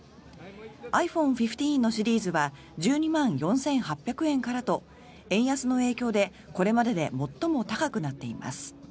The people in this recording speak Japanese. ｉＰｈｏｎｅ１５のシリーズは１２万４８００円からと円安の影響で、これまでで最も高くなっています。